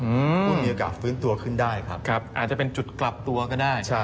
คุณมีโอกาสฟื้นตัวขึ้นได้ครับครับอาจจะเป็นจุดกลับตัวก็ได้ใช่